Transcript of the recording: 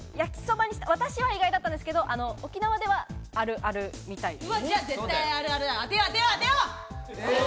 私には意外だったんですけど、沖縄ではあるあるみたいです。